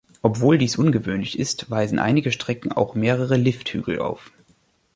Obwohl dies ungewöhnlich ist, weisen einige Strecken auch mehrere Lifthügel auf.